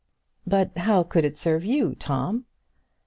"But how could it serve you, Tom?"